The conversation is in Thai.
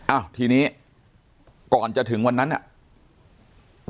อ้าวทีนี้ก่อนจะถึงวันนั้นน่ะ